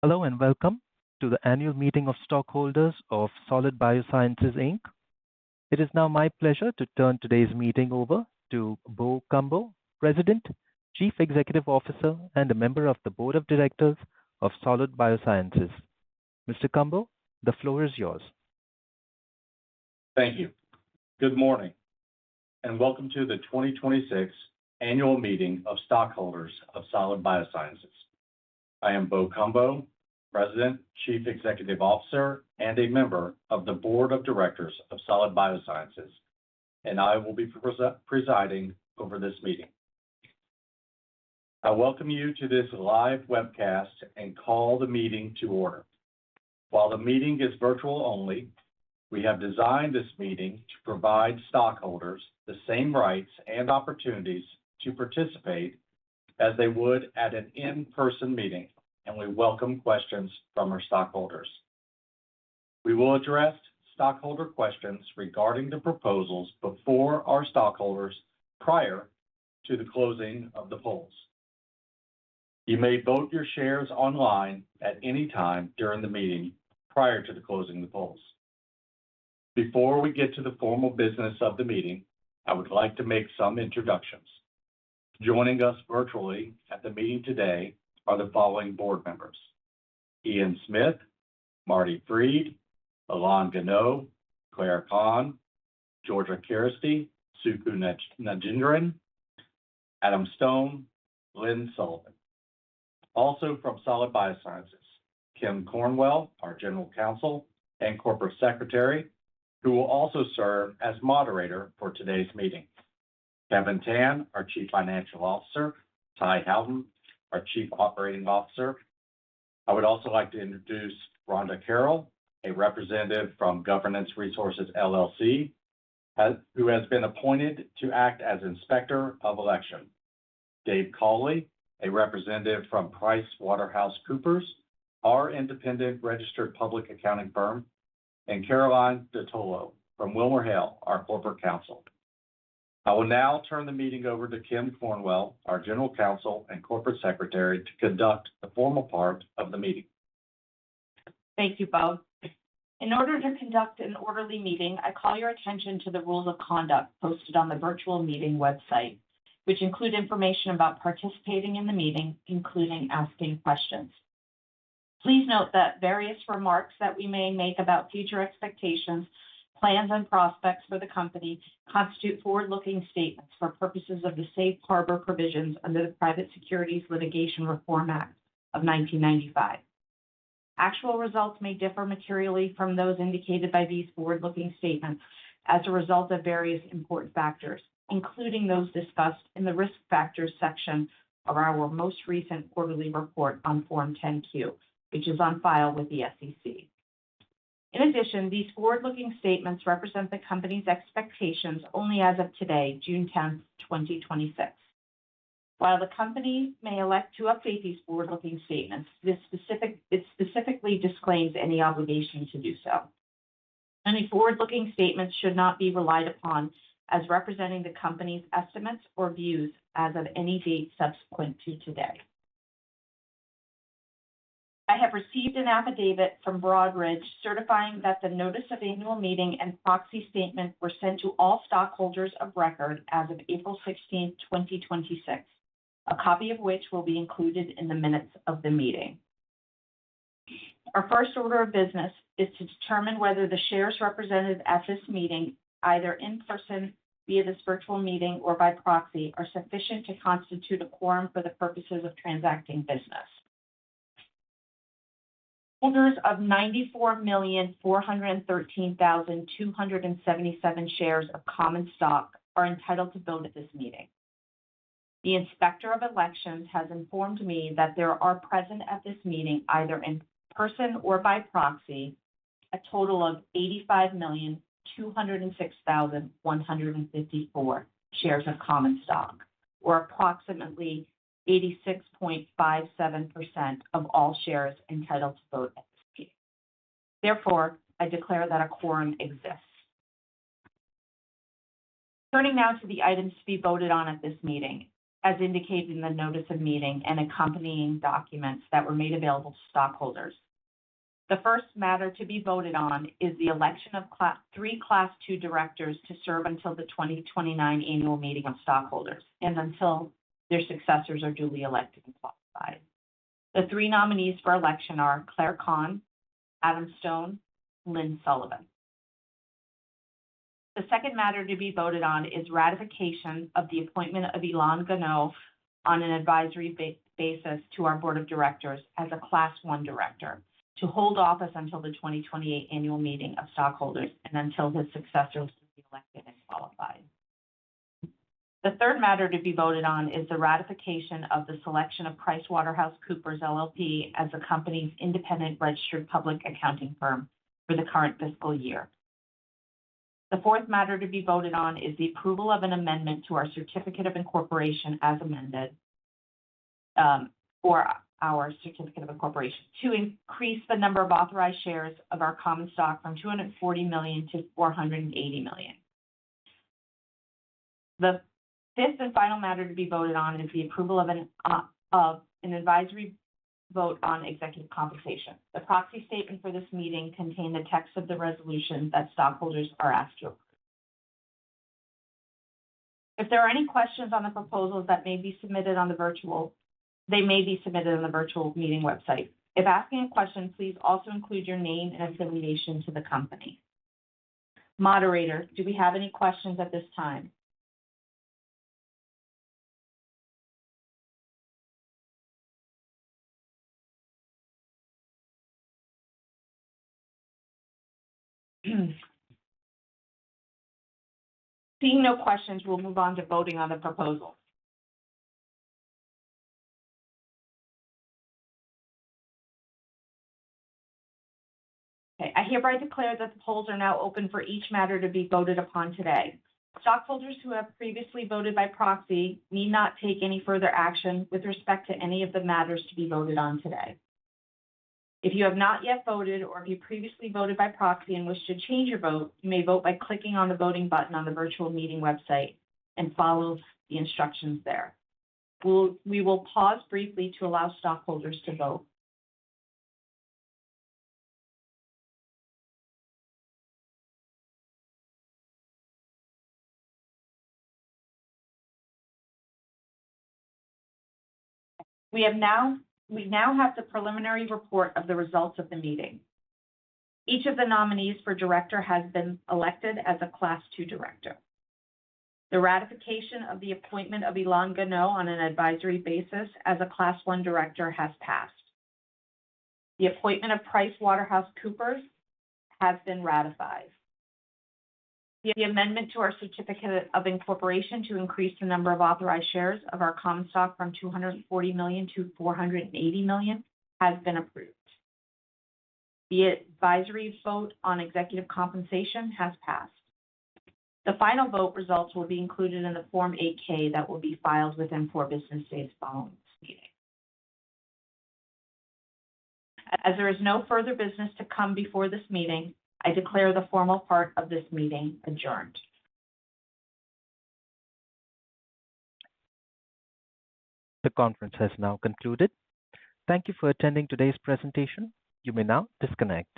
Hello and welcome to the annual meeting of stockholders of Solid Biosciences Inc. It is now my pleasure to turn today's meeting over to Bo Cumbo, President, Chief Executive Officer, and a member of the Board of Directors of Solid Biosciences. Mr. Cumbo, the floor is yours. Thank you. Good morning, welcome to the 2026 annual meeting of stockholders of Solid Biosciences. I am Bo Cumbo, President, Chief Executive Officer, and a member of the Board of Directors of Solid Biosciences, I will be presiding over this meeting. I welcome you to this live webcast call the meeting to order. While the meeting is virtual only, we have designed this meeting to provide stockholders the same rights and opportunities to participate as they would at an in-person meeting, we welcome questions from our stockholders. We will address stockholder questions regarding the proposals before our stockholders prior to the closing of the polls. You may vote your shares online at any time during the meeting prior to the closing of the polls. Before we get to the formal business of the meeting, I would like to make some introductions. Joining us virtually at the meeting today are the following board members: Ian Smith, Marty Freed, Ilan Ganot, Clare Kahn, Georgia Keresty, Suku Nagendran, Adam Stone, Lynne Sullivan. Also from Solid Biosciences, Kim Cornwell, our General Counsel and Corporate Secretary, who will also serve as moderator for today's meeting. Kevin Tan, our Chief Financial Officer. Ty Howton, our Chief Operating Officer. I would also like to introduce Rhonda Carroll, a representative from Governance Resources LLC, who has been appointed to act as Inspector of Election. Dave Cawley, a representative from PricewaterhouseCoopers, our independent registered public accounting firm, Caroline DiTullo from WilmerHale, our Corporate Counsel. I will now turn the meeting over to Kim Cornwell, our General Counsel and Corporate Secretary, to conduct the formal part of the meeting. Thank you, Bo. In order to conduct an orderly meeting, I call your attention to the rules of conduct posted on the virtual meeting website, which include information about participating in the meeting, including asking questions. Please note that various remarks that we may make about future expectations, plans, and prospects for the company constitute forward-looking statements for purposes of the safe harbor provisions under the Private Securities Litigation Reform Act of 1995. Actual results may differ materially from those indicated by these forward-looking statements as a result of various important factors, including those discussed in the Risk Factors section of our most recent quarterly report on Form 10-Q, which is on file with the SEC. In addition, these forward-looking statements represent the company's expectations only as of today, June 10th, 2026. While the company may elect to update these forward-looking statements, it specifically disclaims any obligation to do so. Any forward-looking statements should not be relied upon as representing the company's estimates or views as of any date subsequent to today. I have received an affidavit from Broadridge certifying that the notice of annual meeting and proxy statement were sent to all stockholders of record as of April 16th, 2026, a copy of which will be included in the minutes of the meeting. Our first order of business is to determine whether the shares represented at this meeting, either in person, via this virtual meeting, or by proxy, are sufficient to constitute a quorum for the purposes of transacting business. Holders of 94,413,277 shares of common stock are entitled to vote at this meeting. The Inspector of Elections has informed me that there are present at this meeting, either in person or by proxy, a total of 85,206,154 shares of common stock, or approximately 86.57% of all shares entitled to vote at this meeting. Therefore, I declare that a quorum exists. Turning now to the items to be voted on at this meeting, as indicated in the notice of meeting and accompanying documents that were made available to stockholders. The first matter to be voted on is the election of three Class II directors to serve until the 2029 annual meeting of stockholders and until their successors are duly elected and qualified. The three nominees for election are Clare Kahn, Adam Stone, Lynne Sullivan. The second matter to be voted on is ratification of the appointment of Ilan Ganot on an advisory basis to our board of directors as a Class I director to hold office until the 2028 annual meeting of stockholders and until his successor has been elected and qualified. The third matter to be voted on is the ratification of the selection of PricewaterhouseCoopers LLP as the company's independent registered public accounting firm for the current fiscal year. The fourth matter to be voted on is the approval of an amendment to our certificate of incorporation as amended, for our certificate of incorporation to increase the number of authorized shares of our common stock from 240 million-480 million. The fifth and final matter to be voted on is the approval of an advisory vote on executive compensation. The proxy statement for this meeting contained the text of the resolution that stockholders are asked to approve. If there are any questions on the proposals, they may be submitted on the virtual meeting website. If asking a question, please also include your name and affiliation to the company. Moderator, do we have any questions at this time? Seeing no questions, we'll move on to voting on the proposals. Okay, I hereby declare that the polls are now open for each matter to be voted upon today. Stockholders who have previously voted by proxy need not take any further action with respect to any of the matters to be voted on today. If you have not yet voted, or if you previously voted by proxy and wish to change your vote, you may vote by clicking on the voting button on the virtual meeting website and follow the instructions there. We will pause briefly to allow stockholders to vote. We now have the preliminary report of the results of the meeting. Each of the nominees for director has been elected as a class two director. The ratification of the appointment of Ilan Ganot on an advisory basis as a class one director has passed. The appointment of PricewaterhouseCoopers has been ratified. The amendment to our certificate of incorporation to increase the number of authorized shares of our common stock from 240 million-480 million has been approved. The advisory vote on executive compensation has passed. The final vote results will be included in the Form 8-K that will be filed within four business days following this meeting. As there is no further business to come before this meeting, I declare the formal part of this meeting adjourned. The conference has now concluded. Thank you for attending today's presentation. You may now disconnect.